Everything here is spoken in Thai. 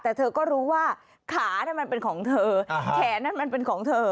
แต่เธอก็รู้ว่าขามันเป็นของเธอแขนนั้นมันเป็นของเธอ